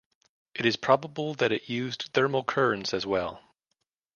It is probable that it used thermal currents as well.